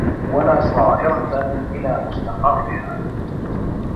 وَلَا صَائِرَةً إلَى مُسْتَقَرِّهَا